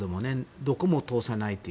どこも通さないという。